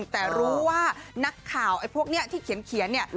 แต่รู้ว่านักข่าวไอ้พวกนี้ที่เขียนเนี่ย